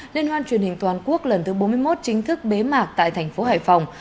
liên hoan truyền hình toàn quốc lần thứ bốn mươi một chính thức bế mạc tại thành phố hải phòng